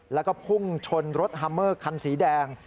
แล้วก็พุ่งชนรถฮาเมอร์คันสีแดง